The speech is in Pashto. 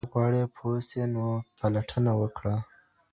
که ته غواړې پوه سې نو پلټنه وکړه.